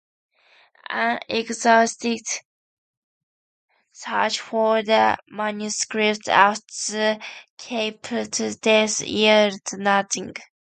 An exhaustive search for the manuscript after Capote's death yielded nothing.